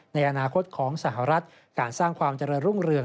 ในอนาคตของสหรัฐการสร้างความเจริญรุ่งเรือง